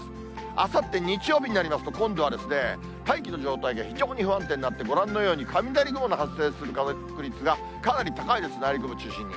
あさって日曜日になりますと、今度は大気の状態が非常に不安定になって、ご覧のように雷雲の発生する確率がかなり高いです、内陸部中心に。